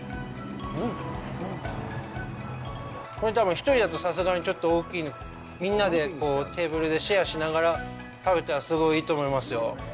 これ多分、１人だとさすがにちょっと大きいので、みんなでテーブルでシェアしながら食べたらすごいいいと思いますよ。